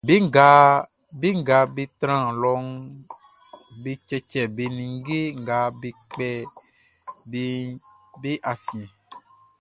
Be nga be tran lɔʼn, be cɛcɛ be ninnge nga be kpɛ beʼn be afiɛn.